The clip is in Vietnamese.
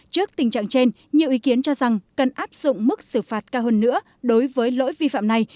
trước tình trạng trên nhiều ý kiến cho rằng cần áp dụng mức xử phạt cao hơn nữa đối với lỗi vi phạm này